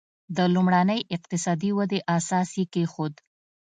د لومړنۍ اقتصادي ودې اساس یې کېښود.